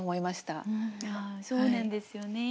そうなんですよね。